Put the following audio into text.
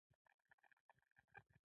دا هغه دعاګانې وې چې یادول یې مهم ګڼم.